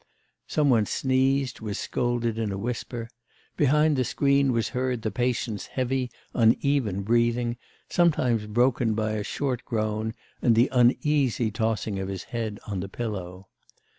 Some one sneezed, and was scolded in a whisper; behind the screen was heard the patient's heavy, uneven breathing, sometimes broken by a short groan, and the uneasy tossing of his head on the pillow....